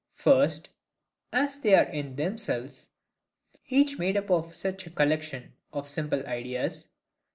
First, as they are in themselves, each made up of such a collection of simple ideas.